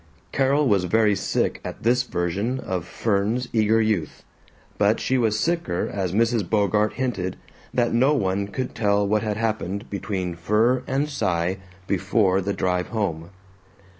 Carol was very sick at this version of Fern's eager youth, but she was sicker as Mrs. Bogart hinted that no one could tell what had happened between Fern and Cy before the drive home.